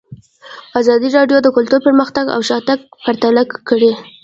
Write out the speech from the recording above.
ازادي راډیو د کلتور پرمختګ او شاتګ پرتله کړی.